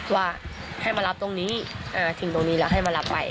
ว่าให้มารับตรงนี้ถึงตรงนี้แล้วให้มารับไป